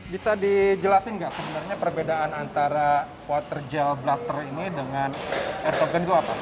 bisa dijelaskan gak sebenarnya perbedaan antara water gel blaster ini dengan airsoft gun itu apa